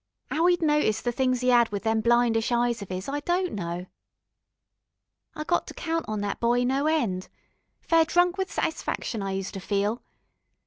'Ow 'e'd noticed the things 'e 'ad with them blindish eyes of 'is, I don't know. I got to count on that boy no end. Fair drunk with satisfaction, I use to feel.